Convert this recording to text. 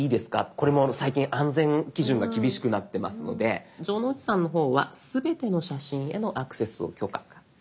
これも最近安全基準が厳しくなってますので城之内さんの方は「すべての写真へのアクセスを許可」。